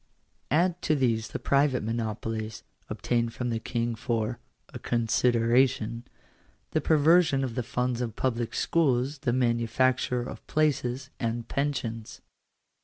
Add to these the private monopolies (obtained from the King for "a consideration"), the perversion of the funds of public schools, the manufacture of places, and pensions.